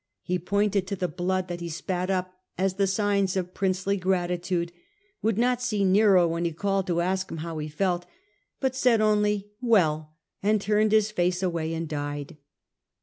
He pointed to the blood that he spat up as the signs of princely gratitude, would not see Nero when he called to ask him how he felt, but said only, ' Wcll,^ and turned his face away and died.